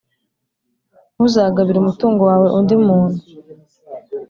ntuzagabire umutungo wawe undi muntu,